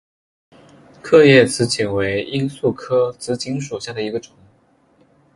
刻叶紫堇为罂粟科紫堇属下的一个种。